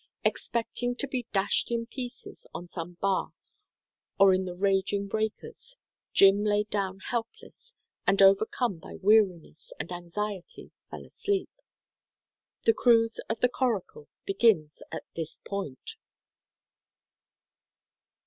Expecting to be dashed in pieces on some bar or in the raging breakers, Jim lay down helpless, and overcome by weariness and anxiety fell asleep. "The Cruise of the Coracle" begins at this point.